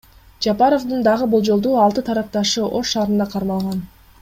Жапаровдун дагы болжолдуу алты тарапташы Ош шаарында кармалган.